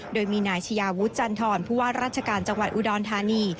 โดยมีนายชายาวุฒิจันทรผู้ว่าราชการจังหวัดอุดรธานี